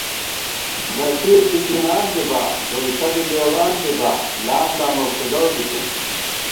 نصیب بِکِنان دِبا گوئیݪہ بی لېوان دِبا ، لام لامہ کھُدَؤ بِتېن